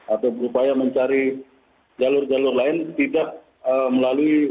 atau berupaya mencari jalur jalur lain tidak melalui